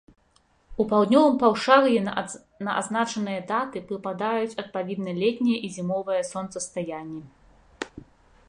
У паўднёвым паўшар'і на азначаныя даты прыпадаюць, адпаведна, летняе і зімовае сонцастаянні.